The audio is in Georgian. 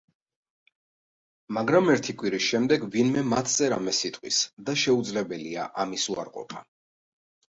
მაგრამ ერთი კვირის შემდეგ ვინმე მათზე რამეს იტყვის და შეუძლებელია ამის უარყოფა.